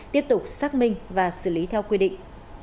tiếp tục xác minh và xử lý theo quy định